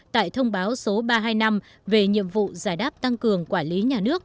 tại thông báo số ba trăm hai mươi năm về nhiệm vụ giải đáp tăng cường quản lý nhà nước